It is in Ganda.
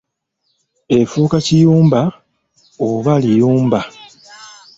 Efuuka kiyumba oba liyumba.